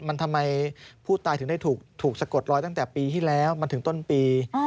มันทำไมผู้ตายถึงได้ถูกสะกดรอยตั้งแต่ปีที่แล้วมันถึงต้นปี